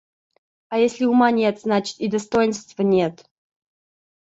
А если ума нет, значит, и достоинства нет.